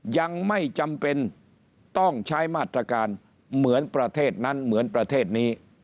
ยังไม่จำเป็นต้องใช้มาตรการเหมือนประเทศนั้นเหมือนประเทศนี้